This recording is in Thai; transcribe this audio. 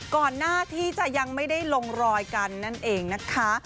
ก่อนหน้าที่จะยังไม่ได้ลงรอยกันนั่นเองนะคะ